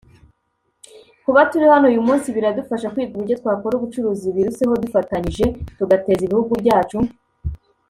Kuba turi hano uyu munsi biradufasha kwiga uburyo twakora ubucuruzi biruseho dufatanyije tugateza ibihugu byacu